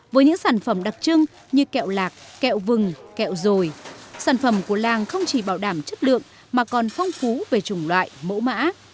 với những sản phẩm đặc trưng như kẹo lạc kẹo vừng kẹo rồi sản phẩm của làng không chỉ bảo đảm chất lượng mà còn phong phú về chủng loại mẫu mã